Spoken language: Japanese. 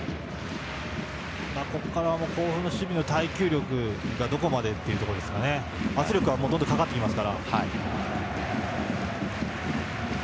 甲府の守備の耐久力がどこまでというところですが圧力はどんどんかかってきますから。